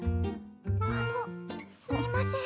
・あのすみません。